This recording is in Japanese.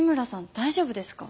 大丈夫ですか？